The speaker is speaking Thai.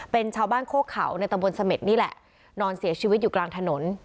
เป็นชาวบ้านโคกเขาในตำบลเสม็ดนี่แหละนอนเสียชีวิตอยู่กลางถนน